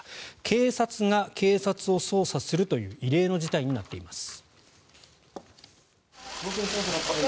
警察が警察を捜査するという異例の事態になっています。